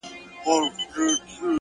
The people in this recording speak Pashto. مړاوي یې سترگي؛